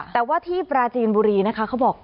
แต่ว่าที่ปราจีนบุรีนะคะเขาบอก